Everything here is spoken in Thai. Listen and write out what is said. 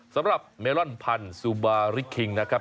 สำหรับเมลอนพันธุ์ซูบาริกคิงนะครับ